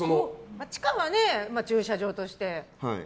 地下は駐車場として。